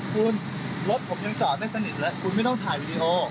คุณรถผมยังจอดไม่สนิทเลยคุณไม่ต้องถ่ายวีดีโอ